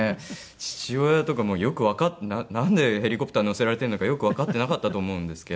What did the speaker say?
父親とかもうなんでヘリコプター乗せられてるのかよくわかってなかったと思うんですけど。